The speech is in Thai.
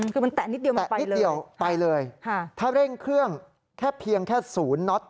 คือมันแตะนิดเดียวมันไปเลยค่ะถ้าเร่งเครื่องแค่เพียงแค่๐น็อต